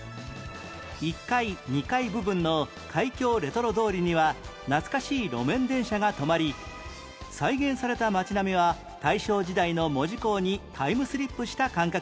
１階２階部分の海峡レトロ通りには懐かしい路面電車が止まり再現された街並みは大正時代の門司港にタイムスリップした感覚に